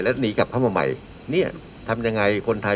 แล้วหนีกลับเข้ามาใหม่เนี่ยทำยังไงคนไทย